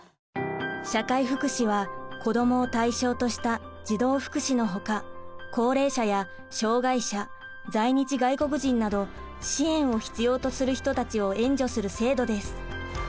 社会福祉は子どもを対象とした児童福祉のほか高齢者や障がい者在日外国人など支援を必要とする人たちを援助する制度です。